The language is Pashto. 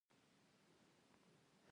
په افغانستان کې د کندز سیند شتون لري.